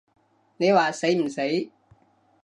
你話死唔死？